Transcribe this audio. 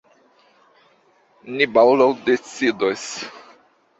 Ni baldaŭ decidos.